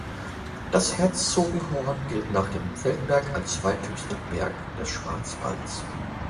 Das Herzogenhorn gilt nach dem Feldberg als der zweithöchste Berg des Schwarzwalds.